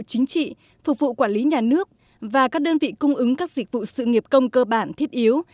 chính trị phục vụ quản lý nhà nước và các đơn vị cung ứng các dịch vụ sự nghiệp công cơ bản thiết yếu